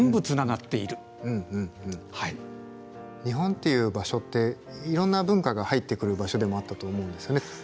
日本っていう場所っていろんな文化が入ってくる場所でもあったと思うんですよね。